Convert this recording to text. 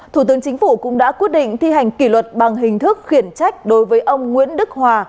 thủ tướng chính phủ cũng đã quyết định thi hành kỷ luật bằng hình thức khiển trách đối với ông nguyễn đức hòa